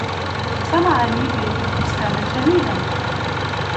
صنع لي بِل فستانًا جميلًا.